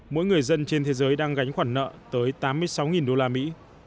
mỗi người dân trên thế giới đang gánh khoản nợ tới tám mươi sáu đô la mỹ